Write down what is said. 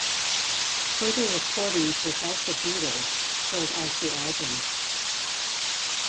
Further recordings without the Beatles filled out the album.